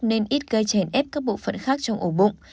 nên ít gây chèn ép các bộ phận khác trong ổ bụng